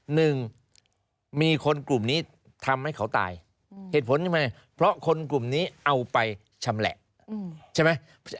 หนึ่งมีคนกลุ่มนี้ทำให้เขาตายเหตุผลยังไงเพราะคนกลุ่มนี้เอาไปชำแหละใช่ไหม